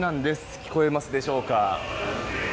聴こえますでしょうか。